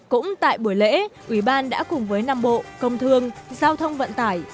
cũng tại buổi lễ ủy ban đã cùng với năm bộ công thương giao thông vận tải